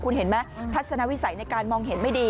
คุณเห็นไหมทัศนวิสัยในการมองเห็นไม่ดี